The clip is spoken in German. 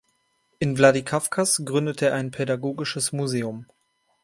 In Wladikawkas gründete er ein pädagogisches Museum.